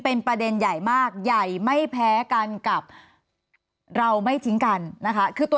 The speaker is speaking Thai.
เป็นประเด็นใหญ่มากใหญ่ไม่แพ้กันกับเราไม่ทิ้งกันนะคะคือตัว